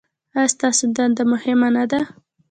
ایا ستاسو دنده مهمه نه ده؟